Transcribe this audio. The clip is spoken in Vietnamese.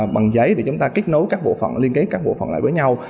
bằng giấy để chúng ta kết nối các bộ phận liên kết các bộ phận lại với nhau